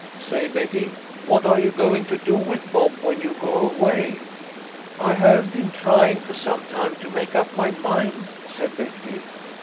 " Say, Betty, what are you going to do with Bob when you go away ?"" I have been trying for some time to make up my mind," said Betty.